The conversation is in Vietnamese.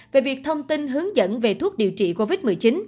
về việc thông tin hướng dẫn về thuốc điều trị covid một mươi chín